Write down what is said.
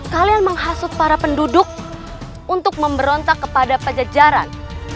kalian menghasut para penduduk untuk memberontak kepada pajajaran